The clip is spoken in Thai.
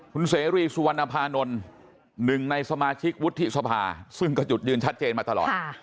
คุณเสรีสุวรรณภานนท์หนึ่งในสมาชิกวุฒิสภาซึ่งก็จุดยืนชัดเจนมาตลอด